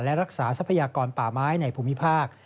และรักษาทรัพยากรป่าไม้ในภูมิภาค